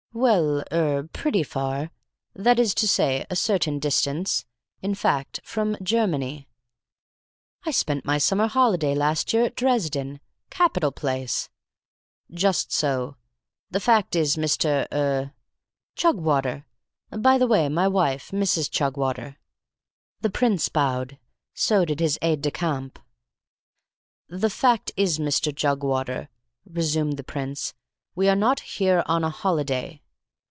"Well er pretty far. That is to say, a certain distance. In fact, from Germany." "I spent my summer holiday last year at Dresden. Capital place!" "Just so. The fact is, Mr. er " "Chugwater. By the way my wife, Mrs. Chugwater." The prince bowed. So did his aide de camp. "The fact is, Mr. Jugwater," resumed the prince, "we are not here on a holiday."